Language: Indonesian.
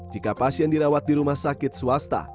jika pasien dirawat di rumah sakit swasta